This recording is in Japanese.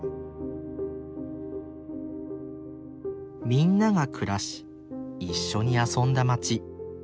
みんなが暮らし一緒に遊んだ街。